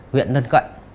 huyện nân hải